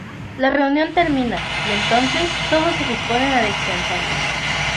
La reunión termina, y entonces todos se disponen a descansar.